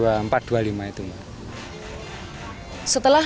setelah lelah berwisata pengunjung di sini juga berpengasian